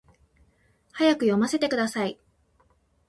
早く読ませてください